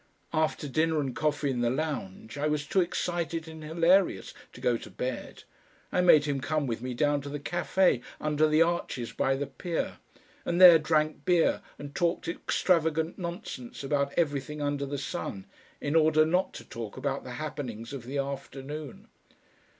After dinner and coffee in the lounge I was too excited and hilarious to go to bed, I made him come with me down to the cafe under the arches by the pier, and there drank beer and talked extravagant nonsense about everything under the sun, in order not to talk about the happenings of the afternoon.